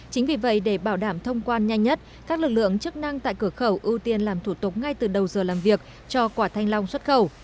chính vì vậy để bảo đảm thông quan nhanh nhất các lực lượng chức năng tại cửa khẩu ưu tiên làm thủ tục ngay từ đầu giờ làm việc cho quả thanh long xuất khẩu